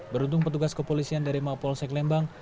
beruntung petugas kepolisian dari mapolsek lembang